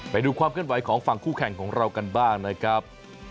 ไปดูความเคลื่อนไหวของฝั่งคู่แข่งของเรากันบ้างนะครับ